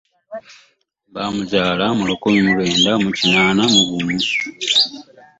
Bamuzaala mu lukumi mulwenda mu kinana mu gumu.